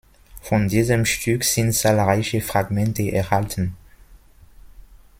Von diesem Stück sind zahlreiche Fragmente erhalten.